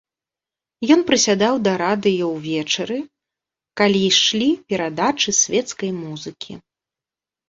Ён прысядаў да радыё ўвечары, калі ішлі перадачы свецкай музыкі.